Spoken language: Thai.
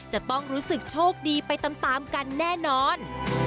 จะต้องรู้สึกโชคดีไปตามกันแน่นอน